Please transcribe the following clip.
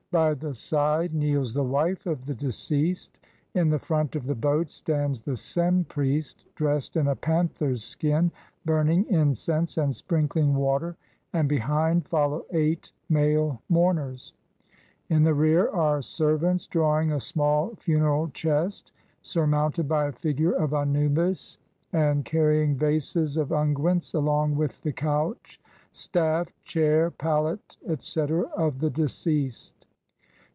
By the side kneels the wife of the deceased. In the front of the boat stands the Sem priest, dressed in a panther's skin, burning incense and sprinkling water, and behind follow eight male mourners ; in the rear are servants drawing a small funeral chest surmounted by a figure of Anubis, and car rying vases of unguents along with the couch, staff, chair, palette, etc., of the deceased.